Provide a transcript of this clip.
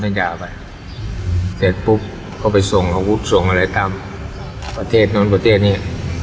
ด้านกล่าวไปเสร็จปุ๊บเขาไปส่งส่งอะไรตามประเทศนั้นประเทศนี้